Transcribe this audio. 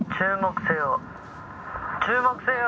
「注目せよ。